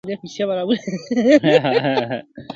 • ماته تیري کیسې وايي دا خوبونه ریشتیا کیږي -